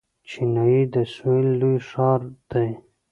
چنای د سویل لوی ښار دی.